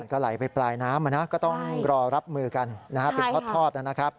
ก็ไหลไปปลายน้ำก็ต้องรอรับมือกันเป็นทอดนะครับ